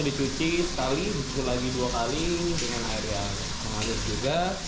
dicuci sekali dicuci lagi dua kali dengan air yang mengayut juga